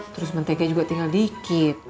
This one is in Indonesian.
terus mentega juga tinggal dikit